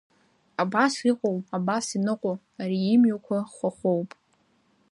Абас иҟоу, абас иныҟәо, ари имҩақәа хәахәоуп.